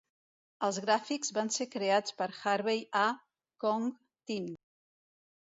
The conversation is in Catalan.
Els gràfics van ser creats per Harvey A. Kong Tin.